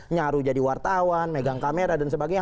nyaru jadi wartawan megang kamera dan sebagainya